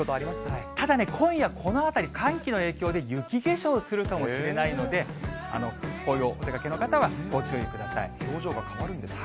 ただね、今夜この辺り、寒気の影響で雪化粧するかもしれないので、紅葉、お出かけの方は表情が変わるんですね。